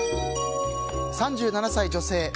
３７歳女性。